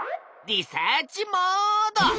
リサーチモード！